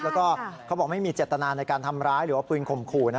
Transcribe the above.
แล้วก็เขาบอกไม่มีเจตนาในการทำร้ายหรือว่าปืนข่มขู่นะ